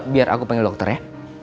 biar aku panggil dokter ya